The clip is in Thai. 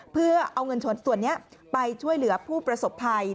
เพื่อเอาเงินส่วนนี้ไปช่วยเหลือผู้ประสบภัย